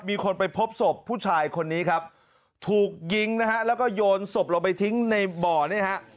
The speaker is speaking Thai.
มีคนไปพบศพผู้ชายคนนี้ครับถูกยิงนะฮะแล้วก็โยนศพลงไปทิ้งในบ่อนี่ฮะ